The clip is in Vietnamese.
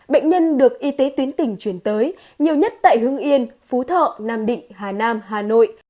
bệnh nhân được y tế tuyến tỉnh chuyển tới nhiều nhất tại hưng yên phú thọ nam định hà nam hà nội